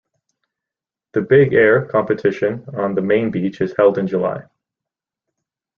The "Big Air" competition on the main beach is held in July.